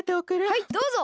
はいどうぞ！